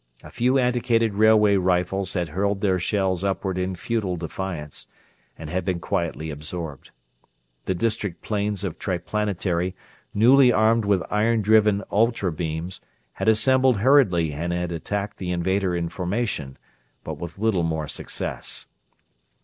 A few antiquated railway rifles had hurled their shells upward in futile defiance, and had been quietly absorbed. The district planes of Triplanetary, newly armed with iron driven ultra beams, had assembled hurriedly and had attacked the invader in formation, with but little more success.